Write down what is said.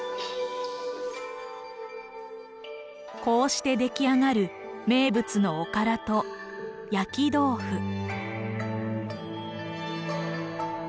こうして出来上がる名物のおからと焼き豆腐。